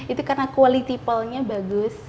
itu karena quality pele nya bagus